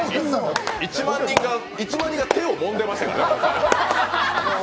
１万人が手をもんでましたからね。